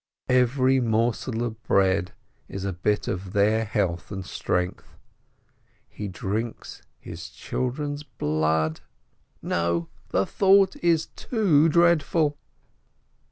Every morsel of bread is a bit of their health and strength — he drinks his children's blood! No, the thought is too dreadful!